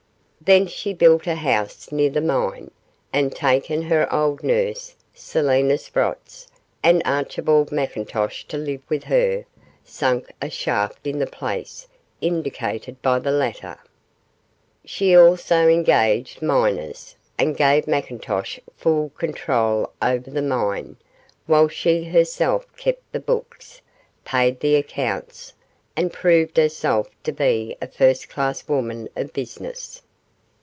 Then she built a house near the mine, and taking her old nurse, Selina Sprotts, and Archibald McIntosh to live with her, sank a shaft in the place indicated by the latter. She also engaged miners, and gave McIntosh full control over the mine, while she herself kept the books, paid the accounts, and proved herself to be a first class woman of business.